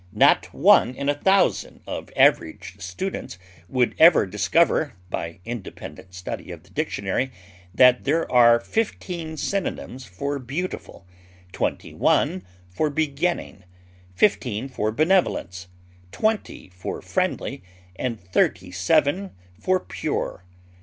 Not one in a thousand of average students would ever discover, by independent study of the dictionary, that there are fifteen synonyms for beautiful, twenty one for beginning, fifteen for benevolence, twenty for friendly, and thirty seven for pure.